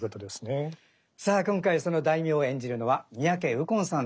さあ今回その大名を演じるのは三宅右近さんです。